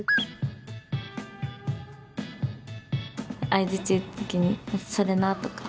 相づち打つ時に「それな」とか。